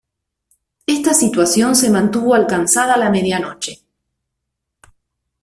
Esta situación se mantuvo alcanzada la medianoche.